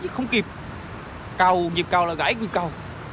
không kịp dịp cầu là gãy dịp cầu